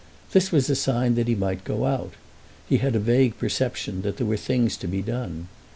This was a sign that he might go out; he had a vague perception that there were things to be done.